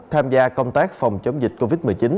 tham gia công tác phòng chống dịch covid một mươi chín